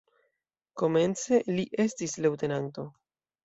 Komence li estis leŭtenanto.